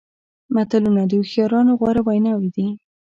متلونه د هوښیارانو غوره ویناوې دي.